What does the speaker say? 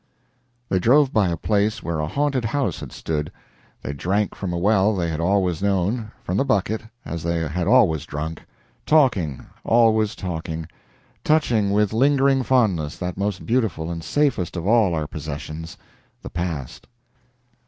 They drove by a place where a haunted house had stood. They drank from a well they had always known from the bucket, as they had always drunk talking, always talking, touching with lingering fondness that most beautiful and safest of all our possessions the past.